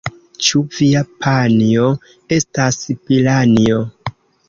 Ĉu via panjo estas piranjo?